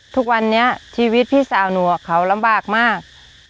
ทุกวันนี้ชีวิตพี่สาวหนูเขาลำบากมาก